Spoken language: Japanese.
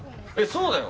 そうだよ。